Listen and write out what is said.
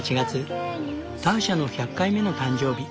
ターシャの１００回目の誕生日。